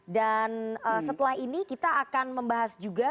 dan setelah ini kita akan membahas juga